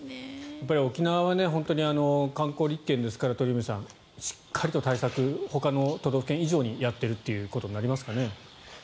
沖縄は観光立県ですから鳥海さん、しっかりと対策ほかの都道府県以上にやっているということになりますかね。